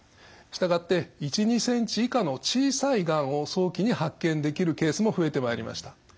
従って１２ｃｍ以下の小さいがんを早期に発見できるケースも増えてまいりました。